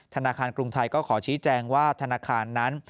ธนาคารกรุงไทยก็ขอชี้แจงว่าธนาคารนั้น